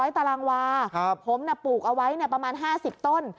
ตารางวาผมปลูกเอาไว้ประมาณ๕๐ต้น